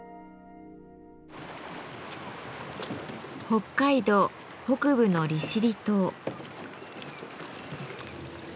北海道北部の利尻島。